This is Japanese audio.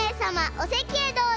おせきへどうぞ！